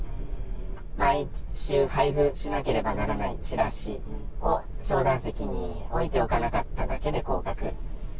毎週配布しなければならないチラシを商談席に置いておかなかっただけで降格。